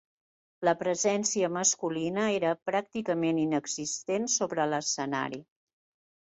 La presència masculina era pràcticament inexistent sobre l'escenari.